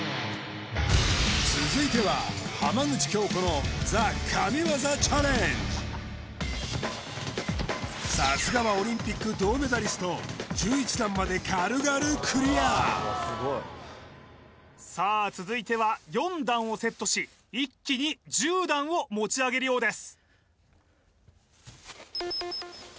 続いてはさすがはオリンピック銅メダリストさあ続いては４段をセットし一気に１０段を持ち上げるようです